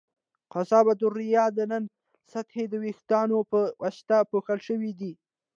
قصبة الریې د ننه سطحه د وېښتانو په واسطه پوښل شوې ده.